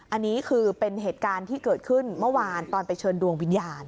อันนี้คือเป็นเหตุการณ์ที่เกิดขึ้นเมื่อวานตอนไปเชิญดวงวิญญาณ